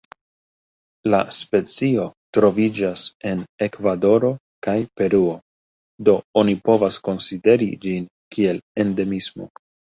La specio troviĝas en Ekvadoro kaj Peruo, do oni povas konsideri ĝin kiel endemismo.